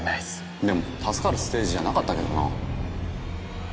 でも助かるステージじゃなかったけどな